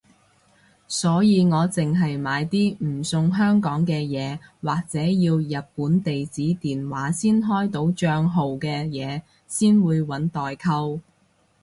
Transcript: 所以我淨係買啲唔送香港嘅嘢或者要日本地址電話先開到帳號嘅嘢先會搵代購